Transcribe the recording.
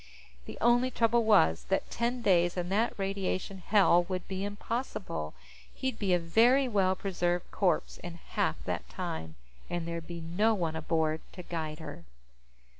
The only trouble was that ten days in that radiation hell would be impossible. He'd be a very well preserved corpse in half that time, and there'd be no one aboard to guide her.